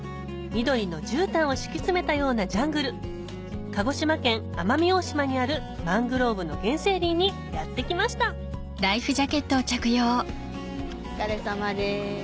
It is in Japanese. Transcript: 緑のじゅうたんを敷き詰めたようなジャングル鹿児島県奄美大島にあるマングローブの原生林にやって来ましたお疲れさまです。